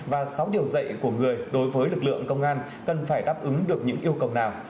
và sáu điều dạy của người đối với lực lượng công an cần phải đáp ứng được những yêu cầu nào